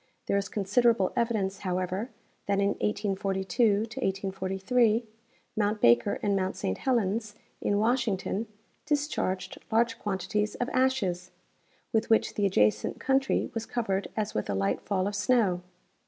There is considerable evidence, however, that in 1842 '43 mount Baker and mount Saint Helens, in Washington, discharged large quantities of " ashes " with which the adjacent country was covered as with a light fall of snow.